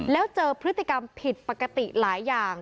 แล้วเจอพฤติกรรมผิดปกติหลายอย่าง